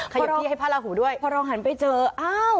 อยู่ที่ให้พระราหูด้วยพอเราหันไปเจออ้าว